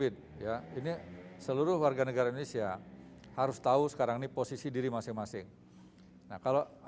dan saya sudah mengoreksi hal ini